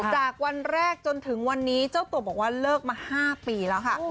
จากวันแรกจนถึงวันนี้เจ้าตัวบอกว่าเลิกมา๕ปีแล้วค่ะ